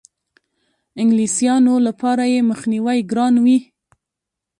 انګلیسیانو لپاره یې مخنیوی ګران وي.